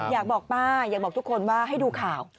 อยากบอกป้าอยากบอกทุกคนว่าให้ดูข่าว